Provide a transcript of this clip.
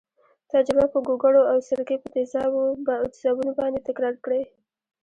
تجربه په ګوګړو او سرکې په تیزابونو باندې تکرار کړئ.